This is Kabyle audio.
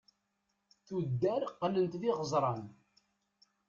tuddar qlent d iɣeẓran